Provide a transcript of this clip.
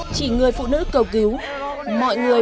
chị không đụng mọi người